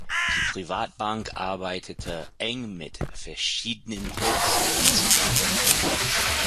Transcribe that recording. Die Privatbank arbeitete eng mit verschiedenen Hochschulen zusammen.